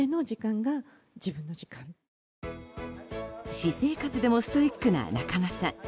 私生活でもストイックな仲間さん。